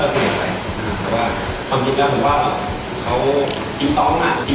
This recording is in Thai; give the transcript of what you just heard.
เต้นยังไง